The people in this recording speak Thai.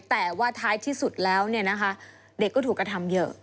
แต่ว่าท้ายที่สุดแล้วเด็กก็ถูกกระทำเยอะ